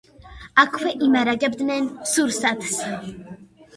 აქვე იმარაგებდნენ სურსათს.